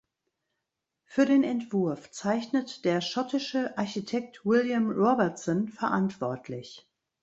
Für den Entwurf zeichnet der schottische Architekt William Robertson verantwortlich.